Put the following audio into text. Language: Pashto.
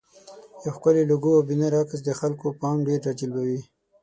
یو ښکلی لوګو او بنر عکس د خلکو پام ډېر راجلبوي.